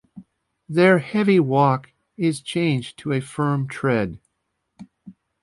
Their heavy walk is changed to a firm tread.